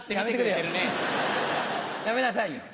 やめなさいよ。